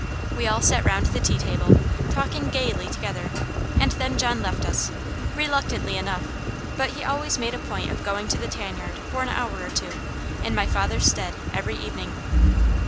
We all sat round the tea table, talking gaily together, and then John left us, reluctantly enough; but he always made a point of going to the tan yard for an hour or two, in my father's stead, every evening.